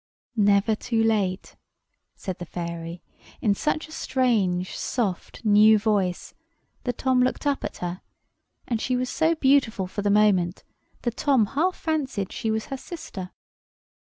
"Never too late," said the fairy, in such a strange soft new voice that Tom looked up at her; and she was so beautiful for the moment, that Tom half fancied she was her sister.